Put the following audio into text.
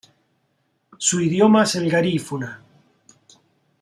Su idioma es el garífuna.